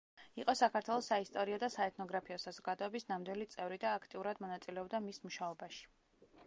იყო საქართველოს საისტორიო და საეთნოგრაფიო საზოგადოების ნამდვილი წევრი და აქტიურად მონაწილეობდა მის მუშაობაში.